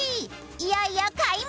いよいよ開幕！